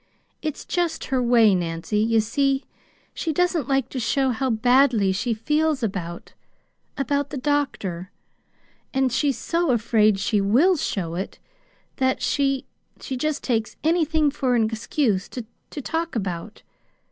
"It's just her way, Nancy. You see, she doesn't like to show how badly she feels about about the doctor. And she's so afraid she WILL show it that she she just takes anything for an excuse to to talk about.